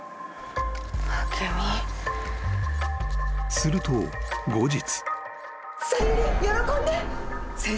［すると後日］